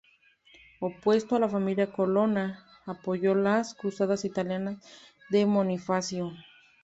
Opuesto a la familia Colonna, apoyó las cruzadas italianas de Bonifacio.